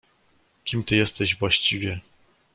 "Kim ty jesteś właściwie?"